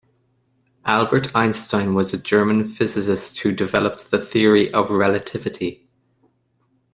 Albert Einstein was a German physicist who developed the Theory of Relativity.